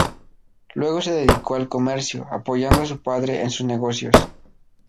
Luego se dedicó al comercio, apoyando a su padre en sus negocios.